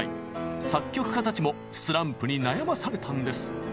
作曲家たちもスランプに悩まされたんです。